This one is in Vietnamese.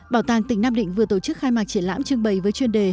bảo tàng tỉnh nam định vừa tổ chức khai mạc triển lãm trưng bày với chuyên đề